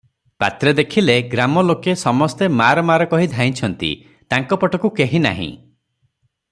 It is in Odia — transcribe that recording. ପାତ୍ରେ ଦେଖିଲେ ଗ୍ରାମ ଲୋକେ ସମସ୍ତେ ମାର ମାର କହି ଧାଇଁଛନ୍ତି, ତାଙ୍କ ପଟକୁ କେହି ନାହିଁ ।